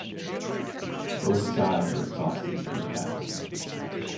Both sides were exhausted from the battle.